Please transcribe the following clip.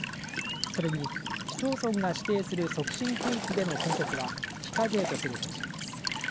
それに市町村が指定する促進区域での建設は非課税とする方針です。